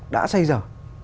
đã xây dở